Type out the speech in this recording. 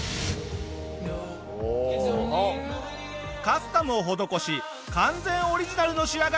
カスタムを施し完全オリジナルの仕上がりに！